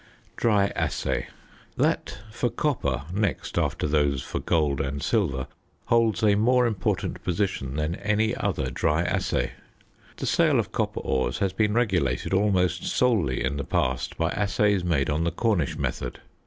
DRY ASSAY. That, for copper, next after those for gold and silver, holds a more important position than any other dry assay. The sale of copper ores has been regulated almost solely in the past by assays made on the Cornish method.